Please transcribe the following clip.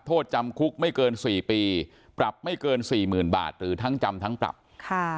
โทษจำคุกไม่เกินสี่ปีปรับไม่เกินสี่หมื่นบาทหรือทั้งจำทั้งปรับค่ะ